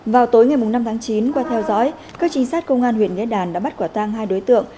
vào tối ngày năm tháng chín qua theo dõi các trinh sát công an huyện nghĩa đàn đã bắt quả tang hai đối tượng